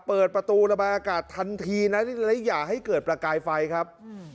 เปิดประตูระบายอากาศทันทีนะและอย่าให้เกิดประกายไฟครับ